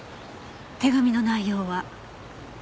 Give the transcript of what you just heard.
手紙の内容は？